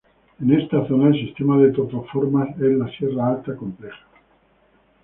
En esta zona el sistema de topoformas es la sierra alta compleja.